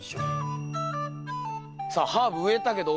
さあハーブ植えたけど覚えてる？